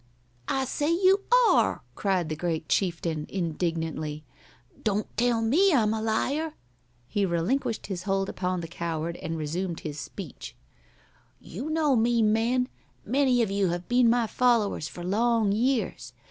"I say you are," cried the great chieftain, indignantly. "Don't tell me I'm a liar." He relinquished his hold upon the coward and resumed his speech. "You know me, men. Many of you have been my followers for long years.